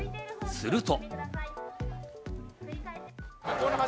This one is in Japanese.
すると。